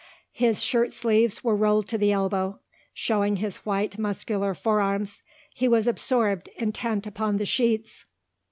His shirt sleeves were rolled to the elbow, showing his white muscular forearms. He was absorbed, intent upon the sheets.